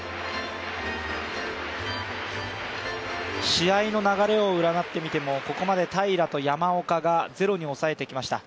試合の流れを占ってみても、ここまで平良と山岡がゼロに抑えてきました。